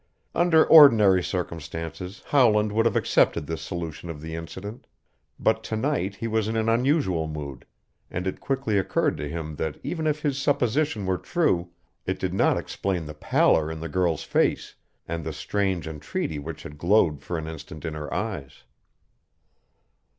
Under ordinary circumstances Howland would have accepted this solution of the incident. But to night he was in an unusual mood, and it quickly occurred to him that even if his supposition were true it did not explain the pallor in the girl's face and the strange entreaty which had glowed for an instant in her eyes.